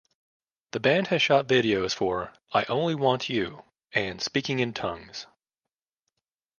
The band has shot videos for "I Only Want You" and "Speaking in Tongues".